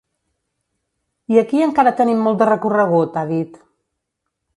I aquí encara tenim molt de recorregut, ha dit.